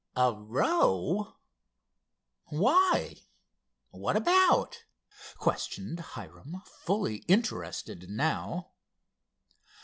"A row? Why? what about?" questioned Hiram, fully interested now.